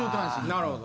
なるほど。